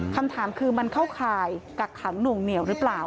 คำถามคือมันเข้าข่ายกักขังหน่วงเหนียวหรือเปล่า